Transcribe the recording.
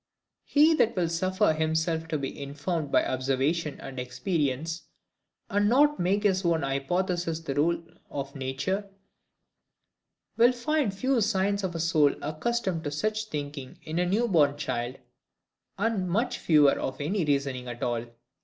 He that will suffer himself to be informed by observation and experience, and not make his own hypothesis the rule of nature, will find few signs of a soul accustomed to much thinking in a new born child, and much fewer of any reasoning at all.